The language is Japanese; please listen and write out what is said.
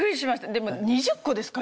でも２０個ですか？